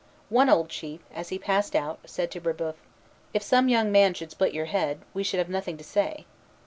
One old chief, as he passed out, said to Brébeuf, "If some young man should split your head, we should have nothing to say."